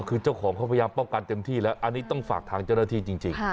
คือเจ้าของเขาพยายามป้องกันเต็มที่แล้วอันนี้ต้องฝากทางเจ้าหน้าที่จริง